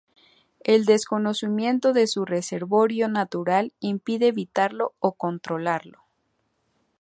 El desconocimiento de su reservorio natural impide evitarlo o controlarlo.